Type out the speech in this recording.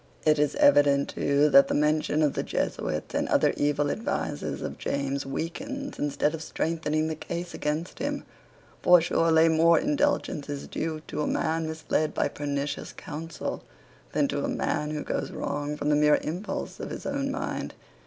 It is evident too that the mention of the Jesuits and other evil advisers of James weakens, instead of strengthening, the case against him. For surely more indulgence is due to a man misled by pernicious counsel than to a man who goes wrong from the mere impulse of his own mind.